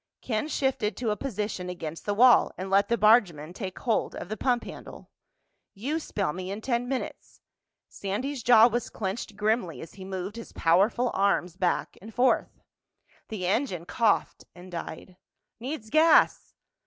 Ken shifted to a position against the wall and let the bargeman take hold of the pump handle. "You spell me in ten minutes." Sandy's jaw was clenched grimly as he moved his powerful arms back and forth. The engine coughed and died. "Needs gas!"